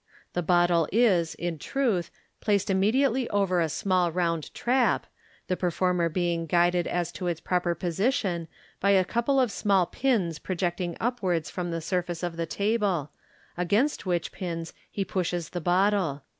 The bottle is, in truth, placed immediately over a small round trap, the performer being guided as to its proper position by a couple of small pins projecting upwards from the surface of the table, against which pins he pushes the bottle.